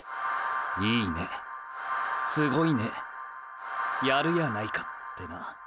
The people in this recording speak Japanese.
いいねすごいねやるやないかてな。